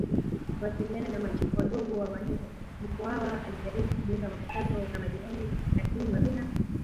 kuwasiliana na machifu wadogo wa Wahehe Mkwawa alijaribu kujenga mapatano na majirani lakini Wabena